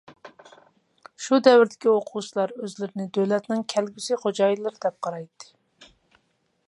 شۇ دەۋردىكى ئوقۇغۇچىلار ئۆزلىرىنى دۆلەتنىڭ كەلگۈسى خوجايىنلىرى دەپ قارايتتى.